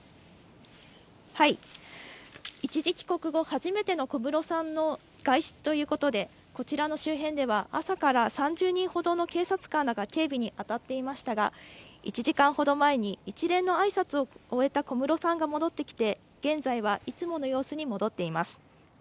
一時帰国後、初めての小室さんの外出ということで、こちらの周辺では、朝から３０人ほどの警察官らが警備に当たっていましたが、１時間ほど前に一連のあいさつを終えた小室さんが戻ってきて、現在はいつもの様子に戻っています。